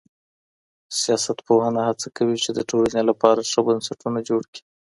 سياستپوهنه هڅه کوي چي د ټولني لپاره ښه بنسټونه جوړ کړي.